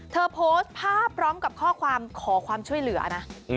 โพสต์ภาพพร้อมกับข้อความขอความช่วยเหลือนะ